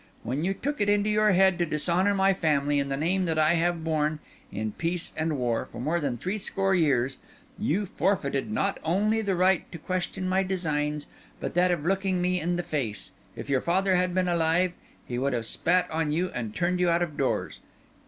When you took it into your head to dishonour my family and the name that I have borne, in peace and war, for more than three score years, you forfeited, not only the right to question my designs, but that of looking me in the face. If your father had been alive, he would have spat on you and turned you out of doors.